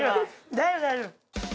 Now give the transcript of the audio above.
大丈夫大丈夫。